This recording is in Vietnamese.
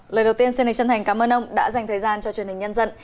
lời đầu tiên xin đề chân thành cảm ơn ông đã dành thời gian cho truyền hình nhân dân